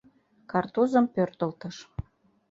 Картузым пӧртылтыш...